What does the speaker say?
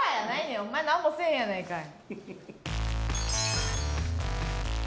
お前なんもせえへんやないかい。